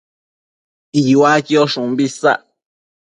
Iuaquiosh umbi isac